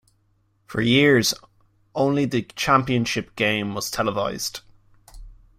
For years, only the championship game was televised.